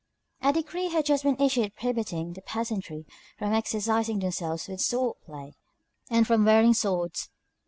A decree had just been issued prohibiting the peasantry from exercising themselves with sword play, and from wearing swords.